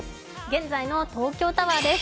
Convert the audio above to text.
現在の東京タワーです。